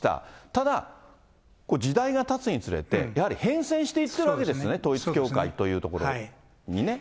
ただ、時代がたつにつれて、やはり変遷していってるわけですね、統一教会というところにね。